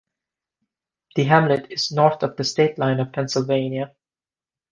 The hamlet is north of the state line of Pennsylvania.